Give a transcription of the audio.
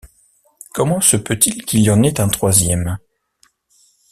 Comment se peutil qu'il y en ait un troisième.